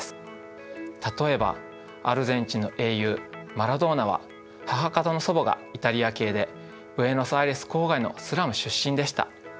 例えばアルゼンチンの英雄マラドーナは母方の祖母がイタリア系でブエノスアイレス郊外のスラム出身でした。